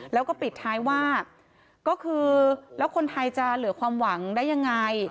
แล้วก็ปิดท้ายว่าก็คือแล้วคนไทยจะเหลือความหวังได้ยังไง